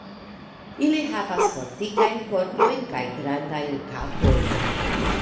Ili havas fortikajn korpojn kaj grandajn kapojn.